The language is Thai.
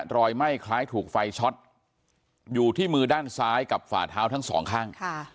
รอยไหม้คล้ายถูกไฟช็อตอยู่ที่มือด้านซ้ายกับฝ่าเท้าทั้งสองข้าง